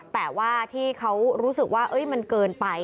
แต่ว่าที่เขารู้สึกว่ามันเกินไป